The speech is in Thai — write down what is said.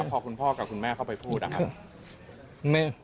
พอคุณพ่อกับคุณแม่เข้าไปพูดนะครับ